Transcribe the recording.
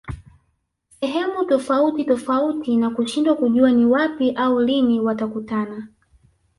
sehemu tofauti tofauti na kushindwa kujua ni wapi au lini watakutana